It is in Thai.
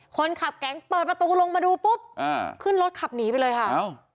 คนขับแก๊งเปิดประตูลงมาดูปุ๊บอ่าขึ้นรถขับหนีไปเลยค่ะอ้าว